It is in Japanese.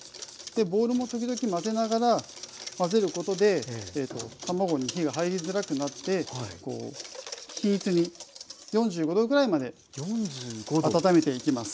ボウルも時々混ぜながら混ぜることで卵に火が入りづらくなって均一に４５℃ぐらいまで温めていきます。